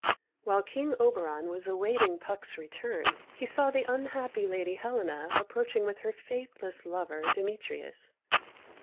While King Oberon was awaiting Puck's return, he saw the unhappy lady Helena approaching with her faithless lover Demetrius.